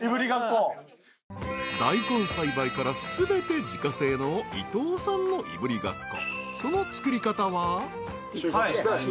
［大根栽培から全て自家製の伊藤さんのいぶりがっこ］